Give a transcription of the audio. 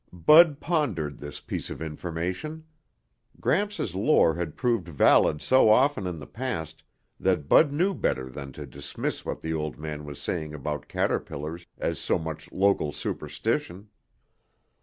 Bud pondered this piece of information. Gramps' lore had proved valid so often in the past that Bud knew better than to dismiss what the old man was saying about caterpillars as so much local superstition.